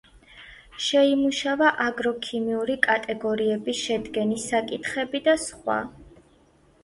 შეიმუშავა აგროქიმიური კატეგორიების შედგენის საკითხები და სხვა.